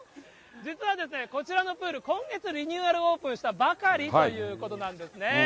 実はこちらのプール、今月リニューアルオープンしたばかりということなんですね。